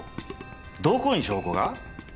どこに証拠が？